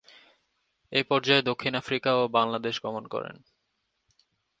এ পর্যায়ে দক্ষিণ আফ্রিকা ও বাংলাদেশ গমন করেন।